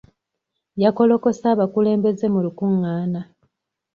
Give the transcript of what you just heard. Yakolokose abakulembeze mu lukungaana.